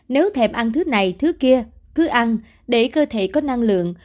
nếu thèm ăn thứ này thứ kia cứ ăn để cơ thể có năng lượng